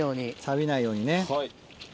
サビないようにね。